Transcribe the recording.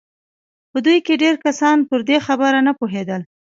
په دوی کې ډېر کسان پر دې خبره نه پوهېدل